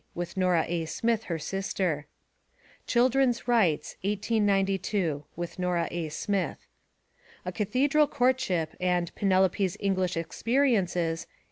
(With Nora A. Smith, her sister. ) Children's Rights, 1892. (With Nora A. Smith.) A Cathedral Courtship and Penelope's English Ex periences, 1893.